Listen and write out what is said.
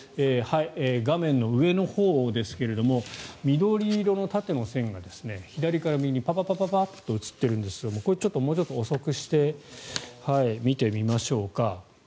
画面の上のほうですが緑色の縦の線が左から右にパパパッと映っているんですがこれ、もうちょっと遅くして見てみましょうか。